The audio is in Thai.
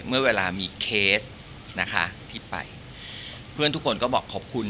เมื่อเวลามีเคสนะคะที่ไปเพื่อนทุกคนก็บอกขอบคุณ